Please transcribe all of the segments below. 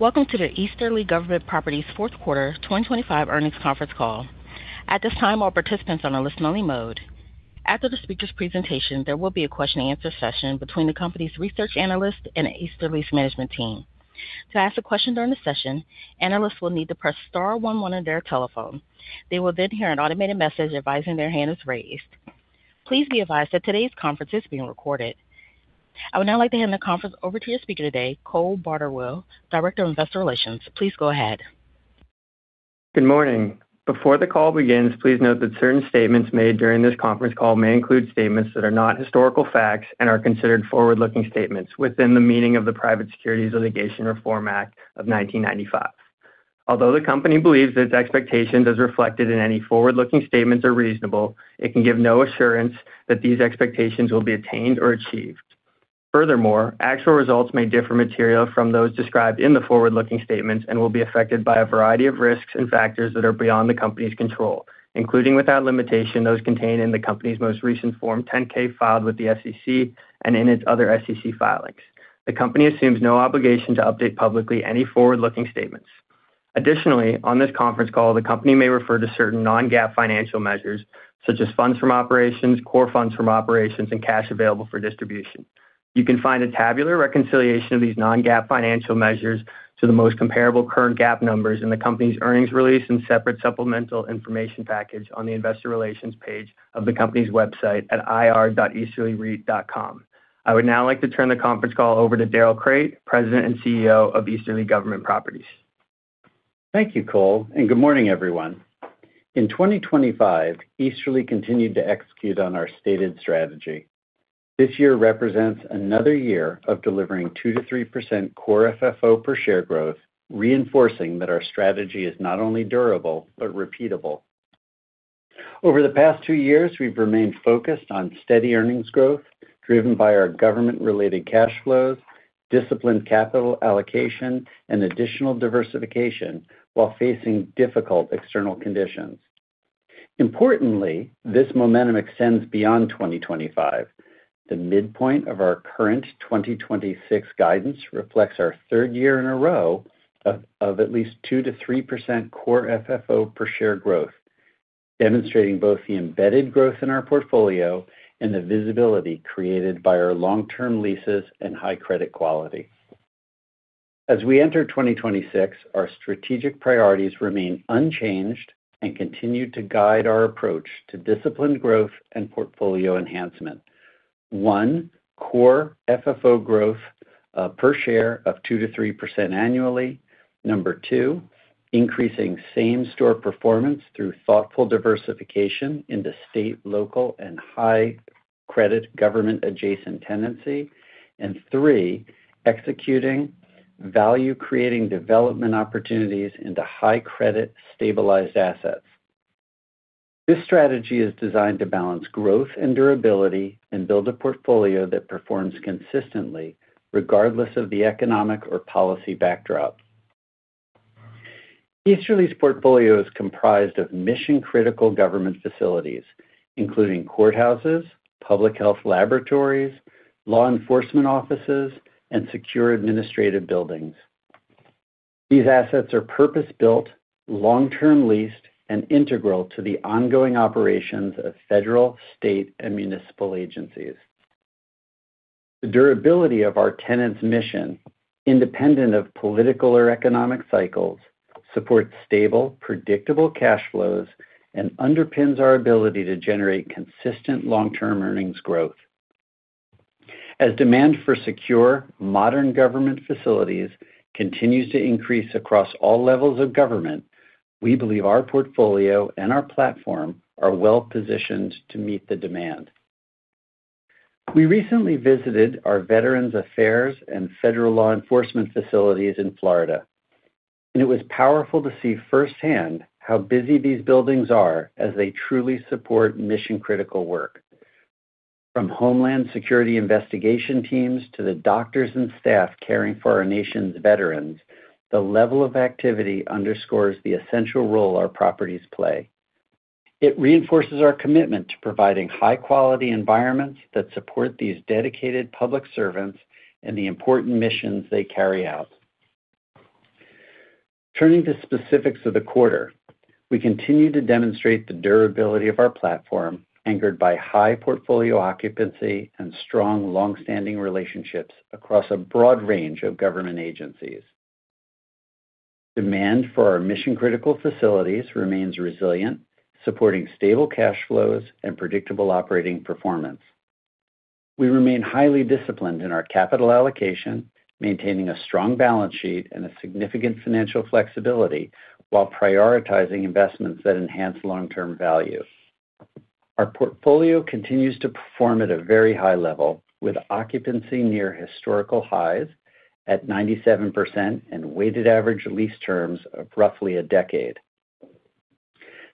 Welcometo the Easterly Government Properties Q4 2025 Earnings Conference Call. At this time, all participants are on a listen-only mode. After the speaker's presentation, there will be a question-and-answer session between the company's research analysts and the Easterly management team. To ask a question during the session, analysts will need to press star one one on their telephone. They will hear an automated message advising their hand is raised. Please be advised that today's conference is being recorded. I would now like to hand the conference over to your speaker today, Cole Bardawill, Director of Investor Relations. Please go ahead. Good morning. Before the call begins, please note that certain statements made during this conference call may include statements that are not historical facts and are considered forward-looking statements within the meaning of the Private Securities Litigation Reform Act of 1995. Although the company believes that its expectations, as reflected in any forward-looking statements, are reasonable, it can give no assurance that these expectations will be attained or achieved. Furthermore, actual results may differ materially from those described in the forward-looking statements and will be affected by a variety of risks and factors that are beyond the company's control, including, without limitation, those contained in the company's most recent Form 10-K filed with the SEC and in its other SEC filings. The company assumes no obligation to update publicly any forward-looking statements. Additionally, on this conference call, the company may refer to certain non-GAAP financial measures, such as Funds from Operations, Core Funds from Operations, and Cash Available for Distribution. You can find a tabular reconciliation of these non-GAAP financial measures to the most comparable current GAAP numbers in the company's earnings release and separate supplemental information package on the investor relations page of the company's website at ir.easterlyreit.com. I would now like to turn the conference call over to Darrell Crate, President and CEO of Easterly Government Properties. Thank you, Cole. Good morning, everyone. In 2025, Easterly continued to execute on our stated strategy. This year represents another year of delivering 2%-3% core FFO per share growth, reinforcing that our strategy is not only durable but repeatable. Over the past two years, we've remained focused on steady earnings growth, driven by our government-related cash flows, disciplined capital allocation, and additional diversification while facing difficult external conditions. Importantly, this momentum extends beyond 2025. The midpoint of our current 2026 guidance reflects our third year in a row of at least 2%-3% core FFO per share growth, demonstrating both the embedded growth in our portfolio and the visibility created by our long-term leases and high credit quality. As we enter 2026, our strategic priorities remain unchanged and continue to guide our approach to disciplined growth and portfolio enhancement. One, Core FFO growth per share of 2%-3% annually. Two, increasing Same-Store performance through thoughtful diversification into state, local, and high credit government-adjacent tenancy. Three, executing value-creating development opportunities into high credit, stabilized assets. This strategy is designed to balance growth and durability and build a portfolio that performs consistently, regardless of the economic or policy backdrop. Easterly's portfolio is comprised of mission-critical government facilities, including courthouses, public health laboratories, law enforcement offices, and secure administrative buildings. These assets are purpose-built, long-term leased, and integral to the ongoing operations of federal, state, and municipal agencies. The durability of our tenants' mission, independent of political or economic cycles, supports stable, predictable cash flows and underpins our ability to generate consistent long-term earnings growth. As demand for secure, modern government facilities continues to increase across all levels of government, we believe our portfolio and our platform are well-positioned to meet the demand. We recently visited our Veterans Affairs and federal law enforcement facilities in Florida, and it was powerful to see firsthand how busy these buildings are as they truly support mission-critical work. From Homeland Security investigation teams to the doctors and staff caring for our nation's veterans, the level of activity underscores the essential role our properties play. It reinforces our commitment to providing high-quality environments that support these dedicated public servants and the important missions they carry out. Turning to specifics of the quarter, we continue to demonstrate the durability of our platform, anchored by high portfolio occupancy and strong, long-standing relationships across a broad range of government agencies. Demand for our mission-critical facilities remains resilient, supporting stable cash flows and predictable operating performance. We remain highly disciplined in our capital allocation, maintaining a strong balance sheet and a significant financial flexibility while prioritizing investments that enhance long-term value. Our portfolio continues to perform at a very high level, with occupancy near historical highs at 97% and weighted average lease terms of roughly a decade.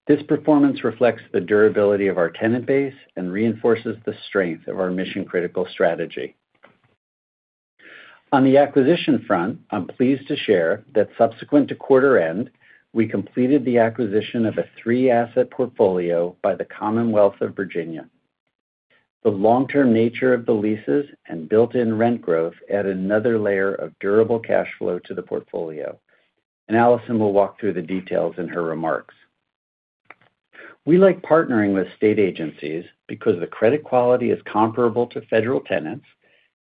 This performance reflects the durability of our tenant base and reinforces the strength of our mission-critical strategy. On the acquisition front, I'm pleased to share that subsequent to quarter end, we completed the acquisition of a three-asset portfolio by the Commonwealth of Virginia. The long-term nature of the leases and built-in rent growth add another layer of durable cash flow to the portfolio, Allison will walk through the details in her remarks. We like partnering with state agencies because the credit quality is comparable to federal tenants,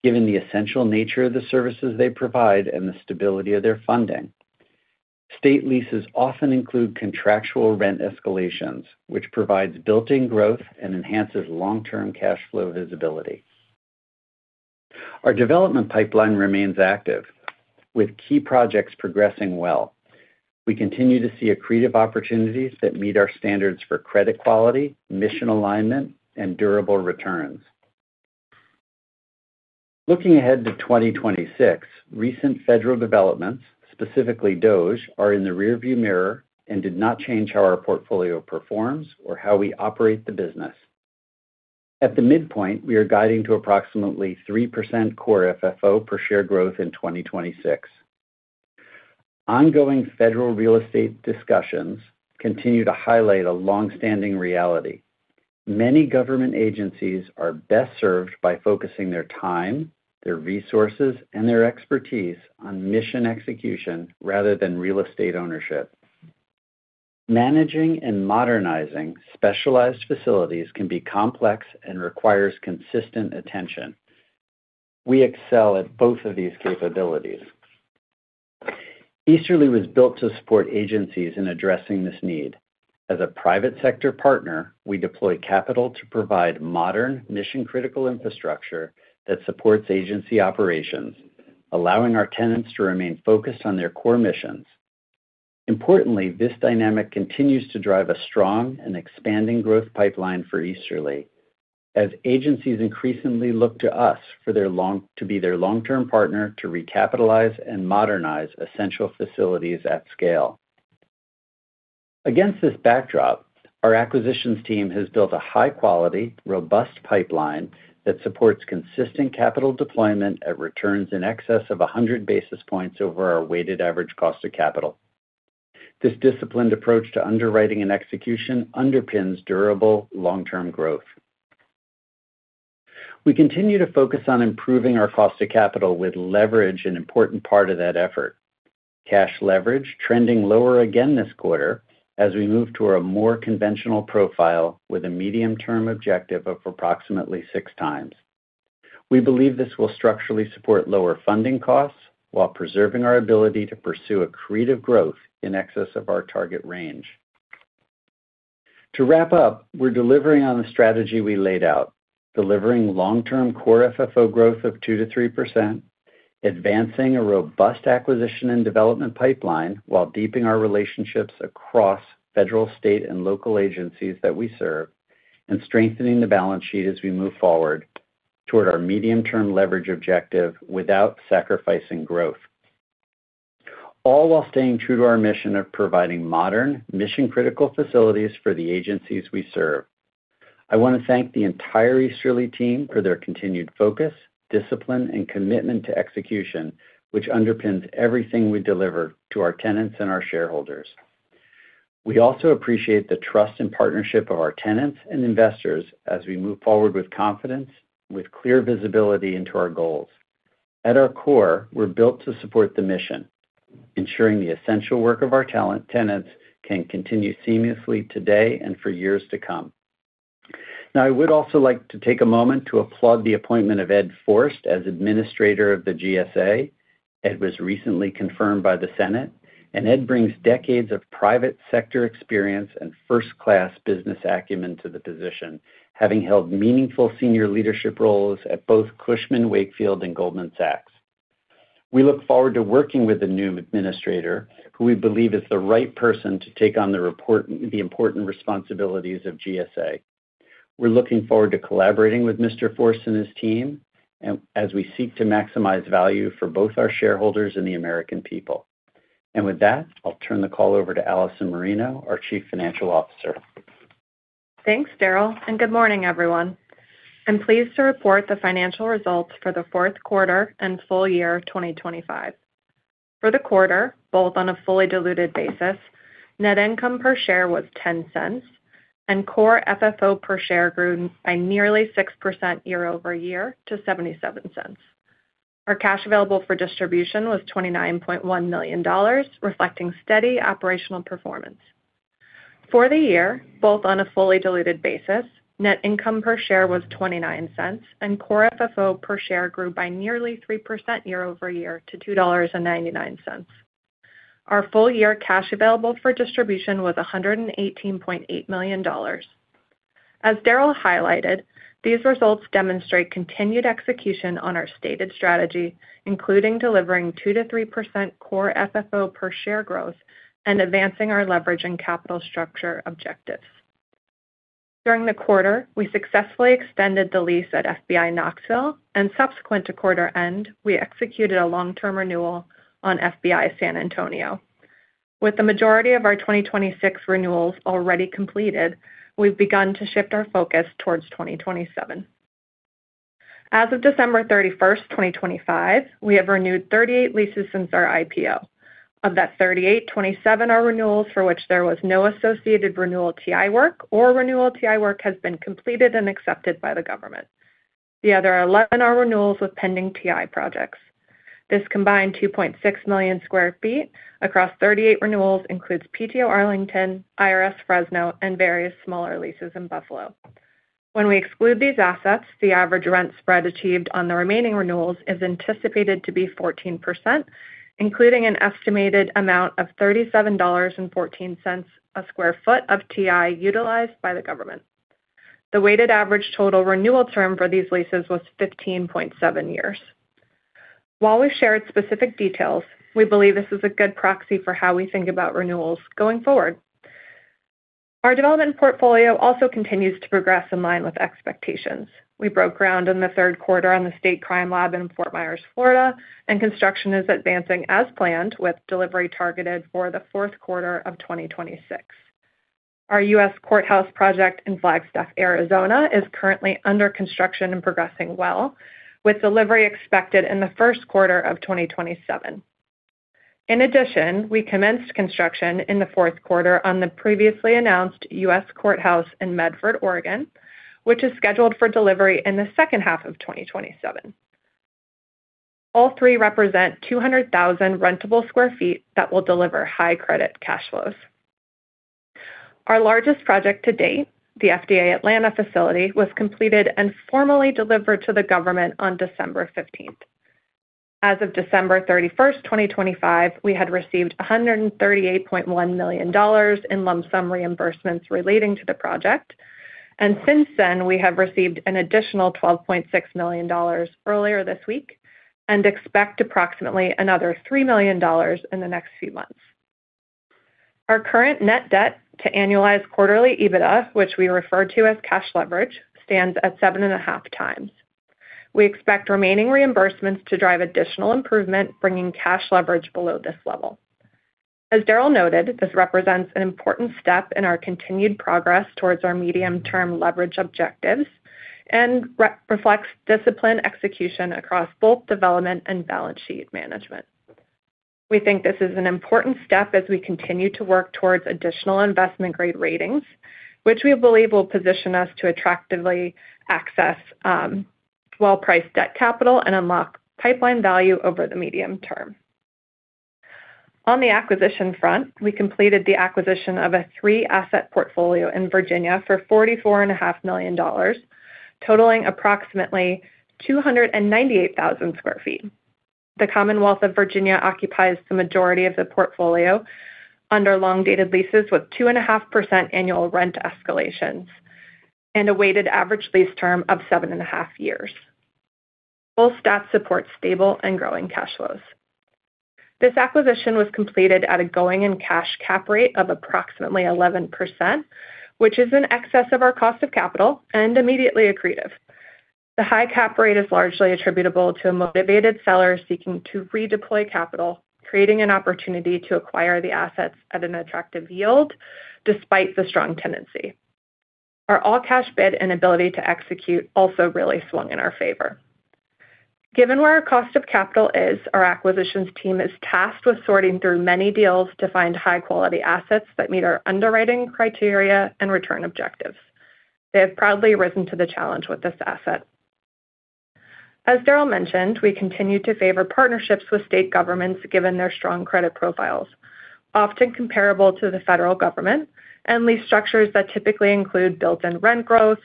given the essential nature of the services they provide and the stability of their funding. State leases often include contractual rent escalations, which provides built-in growth and enhances long-term cash flow visibility. Our development pipeline remains active, with key projects progressing well. We continue to see accretive opportunities that meet our standards for credit quality, mission alignment, and durable returns. Looking ahead to 2026, recent federal developments, specifically DOGE, are in the rearview mirror and did not change how our portfolio performs or how we operate the business. At the midpoint, we are guiding to approximately 3% Core FFO per share growth in 2026. Ongoing federal real estate discussions continue to highlight a long-standing reality. Many government agencies are best served by focusing their time, their resources, and their expertise on mission execution rather than real estate ownership. Managing and modernizing specialized facilities can be complex and requires consistent attention. We excel at both of these capabilities. Easterly was built to support agencies in addressing this need. As a private sector partner, we deploy capital to provide modern, mission-critical infrastructure that supports agency operations, allowing our tenants to remain focused on their core missions. Importantly, this dynamic continues to drive a strong and expanding growth pipeline for Easterly, as agencies increasingly look to us for their to be their long-term partner, to recapitalize and modernize essential facilities at scale. Against this backdrop, our acquisitions team has built a high quality, robust pipeline that supports consistent capital deployment at returns in excess of 100 basis points over our weighted average cost of capital. This disciplined approach to underwriting and execution underpins durable long-term growth. We continue to focus on improving our cost of capital, with leverage an important part of that effort. Cash leverage trending lower again this quarter as we move to a more conventional profile with a medium-term objective of approximately 6x. We believe this will structurally support lower funding costs while preserving our ability to pursue accretive growth in excess of our target range. To wrap up, we're delivering on the strategy we laid out, delivering long-term Core FFO growth of 2%-3%, advancing a robust acquisition and development pipeline while deepening our relationships across federal, state, and local agencies that we serve, and strengthening the balance sheet as we move forward toward our medium-term leverage objective without sacrificing growth, all while staying true to our mission of providing modern, mission-critical facilities for the agencies we serve. I want to thank the entire Easterly team for their continued focus, discipline, and commitment to execution, which underpins everything we deliver to our tenants and our shareholders. We also appreciate the trust and partnership of our tenants and investors as we move forward with confidence, with clear visibility into our goals. At our core, we're built to support the mission, ensuring the essential work of our tenants can continue seamlessly today and for years to come. Now, I would also like to take a moment to applaud the appointment of Ned Forst as Administrator of the GSA. Ed was recently confirmed by the Senate. Ed brings decades of private sector experience and first-class business acumen to the position, having held meaningful senior leadership roles at both Cushman & Wakefield and Goldman Sachs. We look forward to working with the new administrator, who we believe is the right person to take on the important responsibilities of GSA. We're looking forward to collaborating with Mr. Forst and his team, as we seek to maximize value for both our shareholders and the American people. With that, I'll turn the call over to Allison Marino, our Chief Financial Officer. Thanks, Daryl, Good morning, everyone. I'm pleased to report the financial results for the Q4 and full year of 2025. For the quarter, both on a fully diluted basis, net income per share was $0.10, and Core FFO per share grew by nearly 6% year-over-year to $0.77. Our Cash Available for Distribution was $29.1 million, reflecting steady operational performance. For the year, both on a fully diluted basis, net income per share was $0.29, and Core FFO per share grew by nearly 3% year-over-year to $2.99. Our full-year Cash Available for Distribution was $118.8 million. As Darrell highlighted, these results demonstrate continued execution on our stated strategy, including delivering 2%-3% Core FFO per share growth and advancing our leverage and capital structure objectives. Subsequent to quarter end, we successfully extended the lease at FBI Knoxville and executed a long-term renewal on FBI San Antonio. With the majority of our 2026 renewals already completed, we've begun to shift our focus towards 2027. As of December 31st, 2025, we have renewed 38 leases since our IPO. Of that 38, 27 are renewals for which there was no associated renewal TI work or renewal TI work has been completed and accepted by the government. The other 11 are renewals with pending TI projects. This combined 2.6 million sq ft across 38 renewals, includes PTO Arlington, IRS Fresno, and various smaller leases in Buffalo. When we exclude these assets, the average rent spread achieved on the remaining renewals is anticipated to be 14%, including an estimated amount of $37.14 a square foot of TI utilized by the government. The weighted average total renewal term for these leases was 15.7 years. While we've shared specific details, we believe this is a good proxy for how we think about renewals going forward. Our development portfolio also continues to progress in line with expectations. We broke ground in the Q3 on the State Crime Lab in Fort Myers, Florida, and construction is advancing as planned, with delivery targeted for the Q4 of 2026. Our United States Courthouse project in Flagstaff, Arizona, is currently under construction and progressing well, with delivery expected in the Q1 of 2027. In addition, we commenced construction in the Q4 on the previously announced U.S. Courthouse in Medford, Oregon, which is scheduled for delivery in the second half of 2027. All three represent 200,000 rentable sq ft that will deliver high credit cash flows. Our largest project to date, the FDA Atlanta facility, was completed and formally delivered to the government on December 15th. As of December 31st, 2025, we had received $138.1 million in lump sum reimbursements relating to the project, and since then, we have received an additional $12.6 million earlier this week and expect approximately another $3 million in the next few months. Our current net debt to annualized quarterly EBITDA, which we refer to as cash leverage, stands at 7.5x. We expect remaining reimbursements to drive additional improvement, bringing cash leverage below this level. As Daryl noted, this represents an important step in our continued progress towards our medium-term leverage objectives and reflects disciplined execution across both development and balance sheet management. We think this is an important step as we continue to work towards additional investment-grade ratings, which we believe will position us to attractively access well-priced debt capital and unlock pipeline value over the medium term. On the acquisition front, we completed the acquisition of a three-asset portfolio in Virginia for $44.5 million, totaling approximately 298,000 sq ft. The Commonwealth of Virginia occupies the majority of the portfolio under long-dated leases, with 2.5% annual rent escalations and a weighted average lease term of seven and a half years. Both stats support stable and growing cash flows. This acquisition was completed at a going-in cash cap rate of approximately 11%, which is in excess of our cost of capital and immediately accretive. The high cap rate is largely attributable to a motivated seller seeking to redeploy capital, creating an opportunity to acquire the assets at an attractive yield despite the strong tenancy. Our all-cash bid and ability to execute also really swung in our favor. Given where our cost of capital is, our acquisitions team is tasked with sorting through many deals to find high-quality assets that meet our underwriting criteria and return objectives. They have proudly risen to the challenge with this asset. As Darrell mentioned, we continue to favor partnerships with state governments given their strong credit profiles, often comparable to the federal government, and lease structures that typically include built-in rent growth,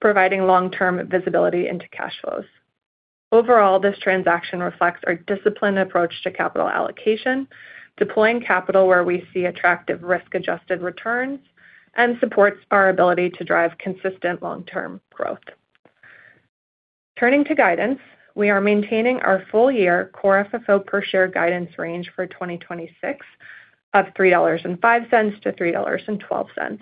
providing long-term visibility into cash flows. Overall, this transaction reflects our disciplined approach to capital allocation, deploying capital where we see attractive risk-adjusted returns, and supports our ability to drive consistent long-term growth. Turning to guidance, we are maintaining our full-year Core FFO per share guidance range for 2026 of $3.05 to $3.12.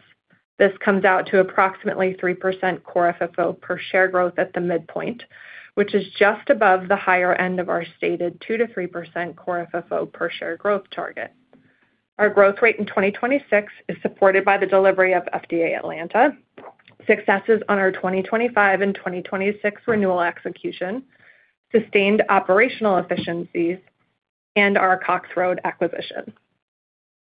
This comes out to approximately 3% Core FFO per share growth at the midpoint, which is just above the higher end of our stated 2%-3% Core FFO per share growth target. Our growth rate in 2026 is supported by the delivery of FDA Atlanta, successes on our 2025 and 2026 renewal execution, sustained operational efficiencies, and our Cox Road acquisition.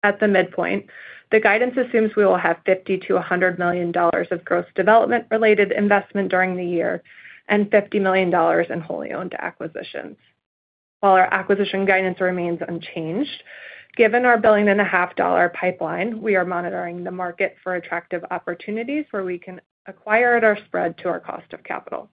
At the midpoint, the guidance assumes we will have $50 million-$100 million of gross development-related investment during the year and $50 million in wholly owned acquisitions. While our acquisition guidance remains unchanged, given our $1.5 billion pipeline, we are monitoring the market for attractive opportunities where we can acquire at our spread to our cost of capital.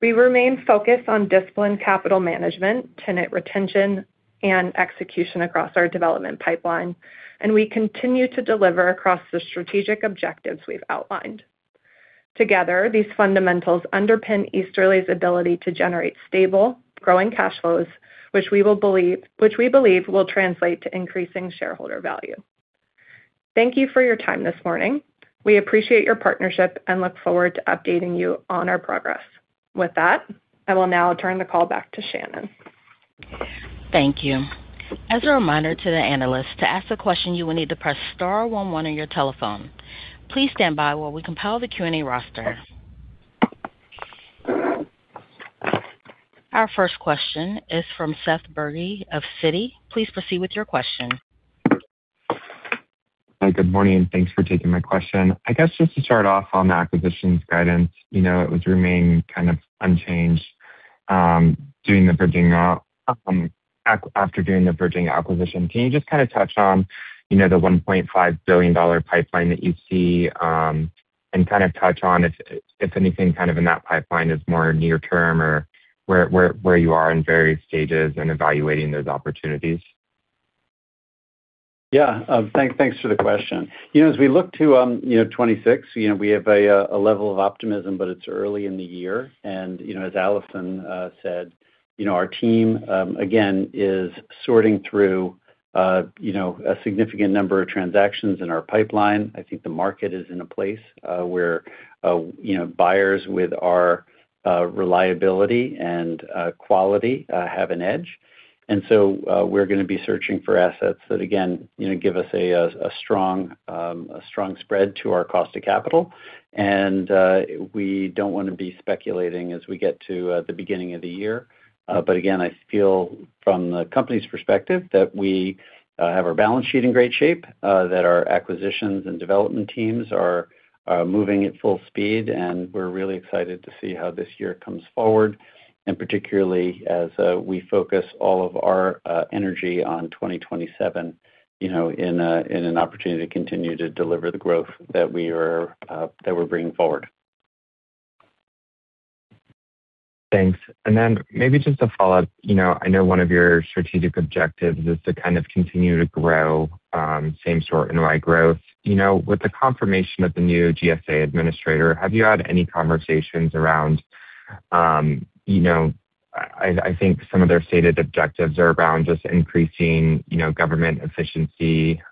We remain focused on disciplined capital management, tenant retention, and execution across our development pipeline, and we continue to deliver across the strategic objectives we've outlined. Together, these fundamentals underpin Easterly's ability to generate stable, growing cash flows, which we will believe-- which we believe will translate to increasing shareholder value. Thank you for your time this morning. We appreciate your partnership and look forward to updating you on our progress. With that, I will now turn the call back to Shannon. Thank you. As a reminder to the analyst, to ask a question, you will need to press star 1 1 on your telephone. Please stand by while we compile the Q&A roster. Our first question is from Smedes Rose of Citi. Please proceed with your question. Hi, good morning, and thanks for taking my question. I guess just to start off on the acquisitions guidance, you know, it would remain kind of unchanged, doing the bridging, after doing the bridging acquisition. Can you just kind of touch on, you know, the $1.5 billion pipeline that you see, and kind of touch on if, if anything, kind of in that pipeline is more near term or where, where, where you are in various stages in evaluating those opportunities? Yeah, thanks, thanks for the question. You know, as we look to, you know, 2026, you know, we have a level of optimism, but it's early in the year. You know, as Allison said, you know, our team again, is sorting through, you know, a significant number of transactions in our pipeline. I think the market is in a place where, you know, buyers with our reliability and quality have an edge. So, we're going to be searching for assets that, again, you know, give us a strong, a strong spread to our cost of capital. We don't want to be speculating as we get to the beginning of the year. Again, I feel from the company's perspective, that we have our balance sheet in great shape, that our acquisitions and development teams are moving at full speed, and we're really excited to see how this year comes forward, and particularly as we focus all of our energy on 2027, you know, in an opportunity to continue to deliver the growth that we are, that we're bringing forward. Thanks. Then maybe just a follow-up. You know, I know one of your strategic objectives is to kind of continue to grow, Same-Store NOI growth. You know, with the confirmation of the new GSA Administrator, have you had any conversations around... You know, I, I think some of their stated objectives are around just increasing, you know, government efficiency,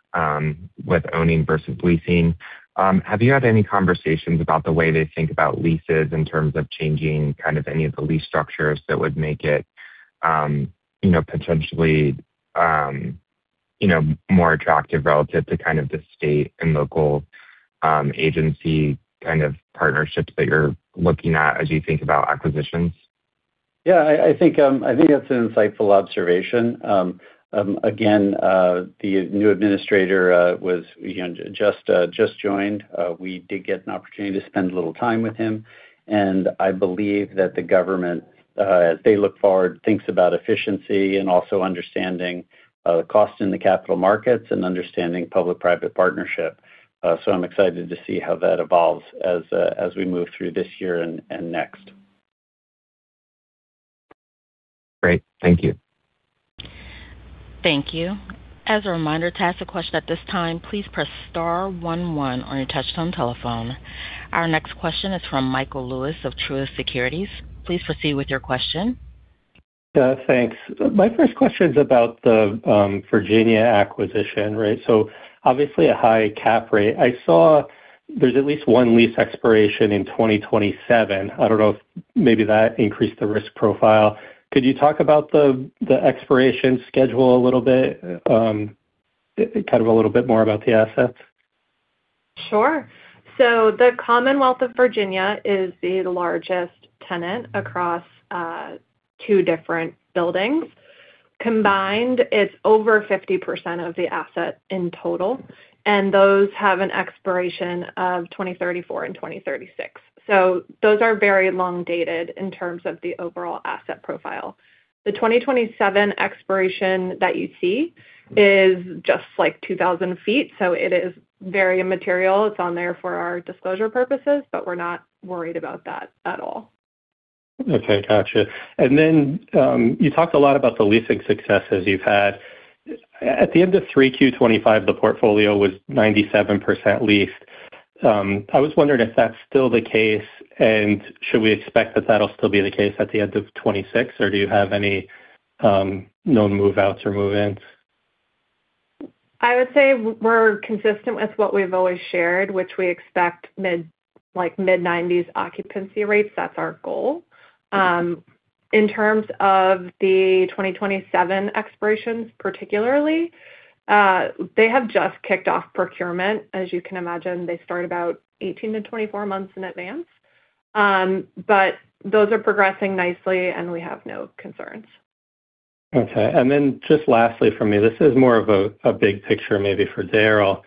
with owning versus leasing. Have you had any conversations about the way they think about leases in terms of changing kind of any of the lease structures that would make it, you know, potentially, you know, more attractive relative to kind of the state and local, agency kind of partnerships that you're looking at as you think about acquisitions? Yeah, I, I think, I think that's an insightful observation. Again, the new administrator, was, you know, just, just joined. We did get an opportunity to spend a little time with him, and I believe that the government, as they look forward, thinks about efficiency and also understanding, cost in the capital markets and understanding public-private partnership. So I'm excited to see how that evolves as we move through this year and next. Great. Thank you. Thank you. As a reminder, to ask a question at this time, please press star 11 on your touchtone telephone. Our next question is from Michael Lewis of Truist Securities. Please proceed with your question. Thanks. My first question is about the Virginia acquisition, right? Obviously a high cap rate. I saw there's at least 1 lease expiration in 2027. I don't know if maybe that increased the risk profile. Could you talk about the expiration schedule a little bit? Kind of a little bit more about the assets. Sure. The Commonwealth of Virginia is the largest tenant across 2 different buildings. Combined, it's over 50% of the asset in total, and those have an expiration of 2034 and 2036. Those are very long dated in terms of the overall asset profile. The 2027 expiration that you see is just like 2,000 feet, so it is very immaterial. It's on there for our disclosure purposes, but we're not worried about that at all. Okay, gotcha. Then, you talked a lot about the leasing successes you've had. At the end of 3Q 2025, the portfolio was 97% leased. I was wondering if that's still the case, and should we expect that that'll still be the case at the end of 2026, or do you have any known move-outs or move-ins? I would say we're consistent with what we've always shared, which we expect mid like mid-90s occupancy rates. That's our goal. In terms of the 2027 expirations particularly, they have just kicked off procurement. As you can imagine, they start about 18-24 months in advance. Those are progressing nicely, and we have no concerns. Okay. Then just lastly for me, this is more of a, a big picture maybe for Darrell.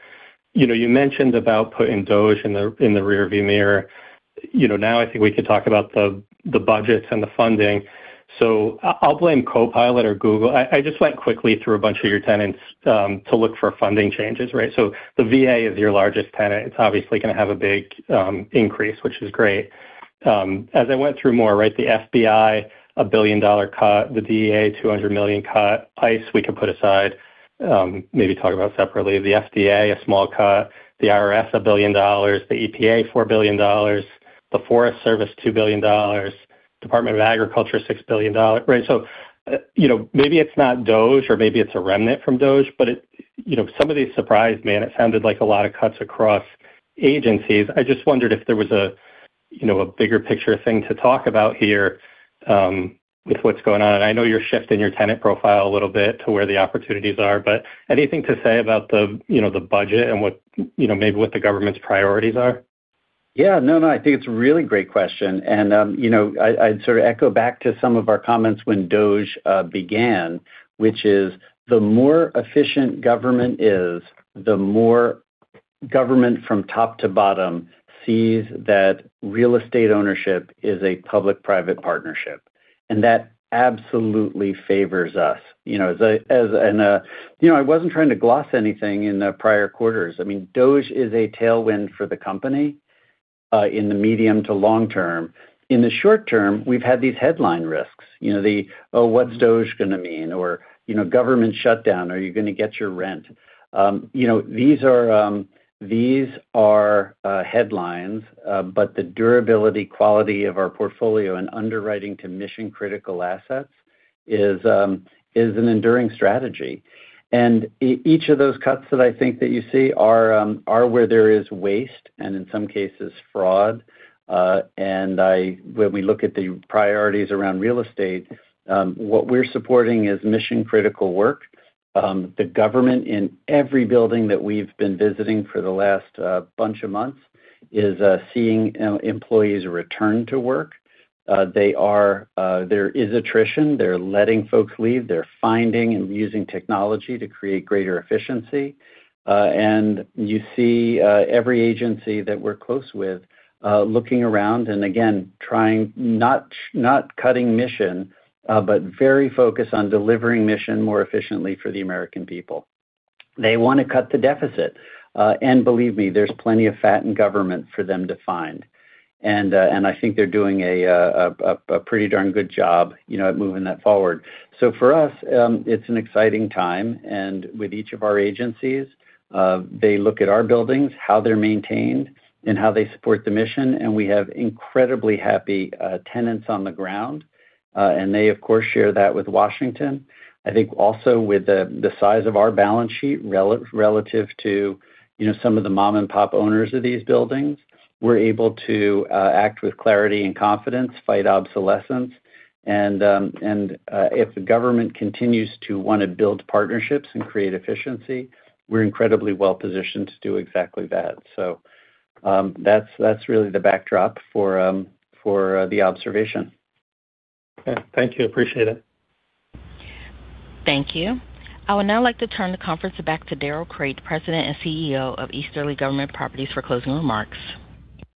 You know, you mentioned about putting DOGE in the, in the rear view mirror. You know, now I think we can talk about the, the budgets and the funding. I, I'll blame Copilot or Google. I, I just went quickly through a bunch of your tenants, to look for funding changes, right? The VA is your largest tenant. It's obviously going to have a big, increase, which is great. As I went through more, right, the FBI, a billion-dollar cut, the DEA, $200 million cut. ICE, we could put aside, maybe talk about separately. The FDA, a small cut, the IRS, $1 billion, the EPA, $4 billion, the Forest Service, $2 billion, Department of Agriculture, $6 billion, right? You know, maybe it's not DOGE or maybe it's a remnant from DOGE, but it... You know, some of these surprised me, and it sounded like a lot of cuts across agencies. I just wondered if there was you know, a bigger picture thing to talk about here, with what's going on, and I know you're shifting your tenant profile a little bit to where the opportunities are, but anything to say about the, you know, the budget and what, you know, maybe what the government's priorities are? Yeah, no, no, I think it's a really great question. You know, I, I'd sort of echo back to some of our comments when DOGE began, which is, the more efficient government is, the more government from top to bottom sees that real estate ownership is a public-private partnership, and that absolutely favors us. You know, I wasn't trying to gloss anything in the prior quarters. I mean, DOGE is a tailwind for the company in the medium to long term. In the short term, we've had these headline risks, you know, the, "Oh, what's DOGE gonna mean?" Or, you know, government shutdown, "Are you gonna get your rent?" You know, these are, these are headlines, but the durability, quality of our portfolio and underwriting to mission-critical assets is an enduring strategy. Each of those cuts that I think that you see are where there is waste and in some cases, fraud. When we look at the priorities around real estate, what we're supporting is mission-critical work. The government in every building that we've been visiting for the last bunch of months is seeing employees return to work. They are, there is attrition. They're letting folks leave. They're finding and using technology to create greater efficiency. You see every agency that we're close with looking around and again, trying, not, not cutting mission, but very focused on delivering mission more efficiently for the American people. They wanna cut the deficit, and believe me, there's plenty of fat in government for them to find. I think they're doing a pretty darn good job, you know, at moving that forward. For us, it's an exciting time, and with each of our agencies, they look at our buildings, how they're maintained, and how they support the mission, and we have incredibly happy tenants on the ground, and they, of course, share that with Washington. I think also with the size of our balance sheet, relative to, you know, some of the mom-and-pop owners of these buildings, we're able to act with clarity and confidence, fight obsolescence, and if the government continues to wanna build partnerships and create efficiency, we're incredibly well positioned to do exactly that. That's, that's really the backdrop for the observation. Okay. Thank you. Appreciate it. Thank you. I would now like to turn the conference back to Darrell Crate, President and CEO of Easterly Government Properties, for closing remarks.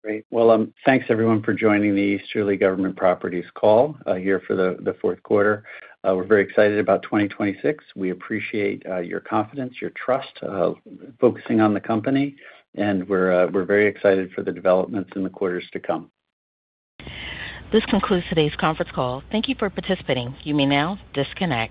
Great. Well, thanks, everyone, for joining the Easterly Government Properties call, here for the Q4. We're very excited about 2026. We appreciate your confidence, your trust, focusing on the company, and we're very excited for the developments in the quarters to come. This concludes today's conference call. Thank you for participating. You may now disconnect.